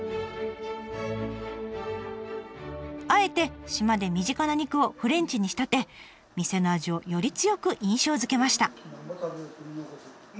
あえて島で身近な肉をフレンチに仕立て店の味をより強く印象づけました。